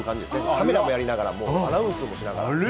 カメラもやりながら、アナウンスもしながら。